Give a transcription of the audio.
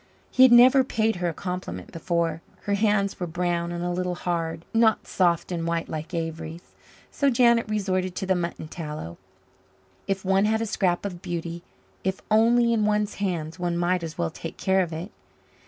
He had never paid her a compliment before. Her hands were brown and a little hard not soft and white like Avery's. So Janet resorted to the mutton tallow. If one had a scrap of beauty, if only in one's hands, one might as well take care of it.